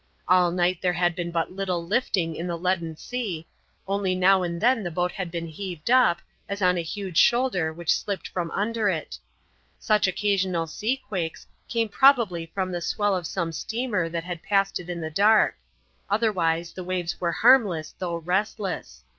All night there had been but little lifting in the leaden sea, only now and then the boat had been heaved up, as on a huge shoulder which slipped from under it; such occasional sea quakes came probably from the swell of some steamer that had passed it in the dark; otherwise the waves were harmless though restless.